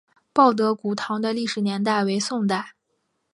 报德古堂的历史年代为宋代。